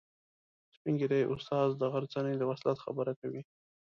سپین ږیری استاد د غرڅنۍ د وصلت خبره کوي.